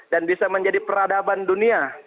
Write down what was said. dan bisa menjadi peradaban dunia